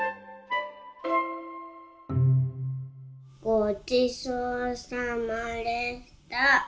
ごちそうさまでした。